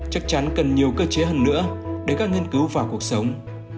chắc chắn cần nhiều cơ chế hơn nữa để các nghiên cứu vào cuộc sống